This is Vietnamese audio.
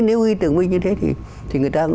nếu ghi tưởng minh như thế thì người ta cũng